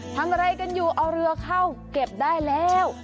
ทำอะไรกันอยู่เอาเรือเข้าเก็บได้แล้ว